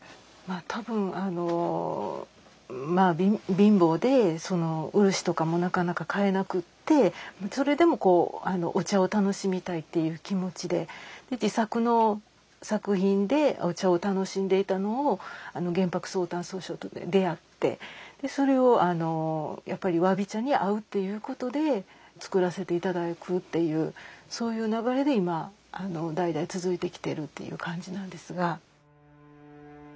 多分まあ貧乏で漆とかもなかなか買えなくってそれでもこうお茶を楽しみたいっていう気持ちで自作の作品でお茶を楽しんでいたのを元伯宗旦宗匠と出会ってそれをやっぱり侘び茶に合うっていうことで作らせて頂くっていうそういう流れで今代々続いてきているという感じなんですが。